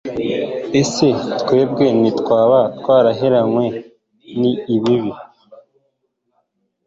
ese aho twebwe ntitwaba twaraheranywe n'inabi